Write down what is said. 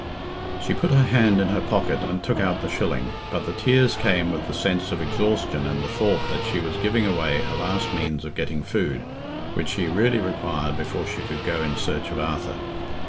She put her hand in her pocket and took out the shilling, but the tears came with the sense of exhaustion and the thought that she was giving away her last means of getting food, which she really required before she could go in search of Arthur.